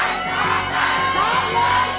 ร้องลุย